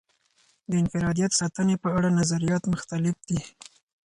د انفرادیت ساتنې په اړه نظریات مختلف دي.